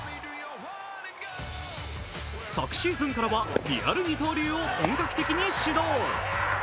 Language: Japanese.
昨シーズンからは、リアル二刀流を本格的に始動。